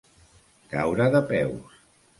Caure de peus.